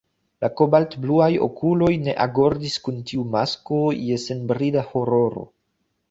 La kobaltbluaj okuloj ne agordis kun tiu masko je senbrida hororo.